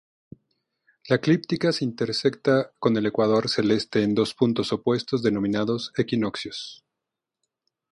La eclíptica se interseca con el ecuador celeste en dos puntos opuestos denominados equinoccios.